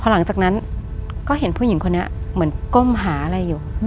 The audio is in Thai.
หลังจากนั้นก็เห็นผู้หญิงคนนี้เหมือนก้มหาอะไรอยู่